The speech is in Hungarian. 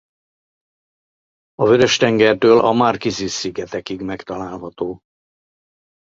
A Vörös-tengertől a Marquises-szigetekig megtalálható.